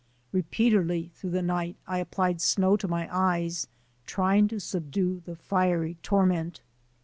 Repeatedly through the night I applied snow to my eyes trying to subdue the fiery torment.